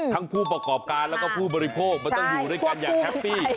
ผู้ประกอบการแล้วก็ผู้บริโภคมันต้องอยู่ด้วยกันอย่างแฮปปี้